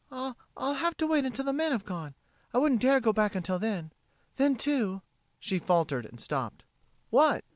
"I I'll have to wait until the men have gone. I wouldn't dare to go back until then. Then, too...." She faltered and stopped. "What?"